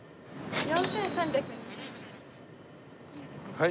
はい。